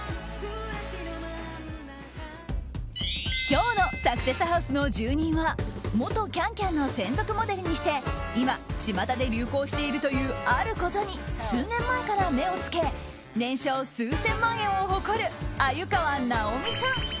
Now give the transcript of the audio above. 今日のサクセスハウスの住人は元「ＣａｎＣａｍ」の専属モデルにして今、巷で流行しているというあることに数年前から目をつけ年商数千万円を誇る鮎河ナオミさん。